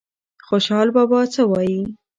خوشال بابا څه وایي؟